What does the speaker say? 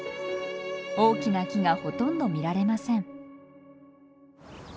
大きな木がほとんど見られません。